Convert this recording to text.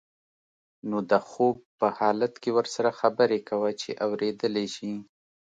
نو د خوب په حالت کې ورسره خبرې کوه چې اوریدلی شي.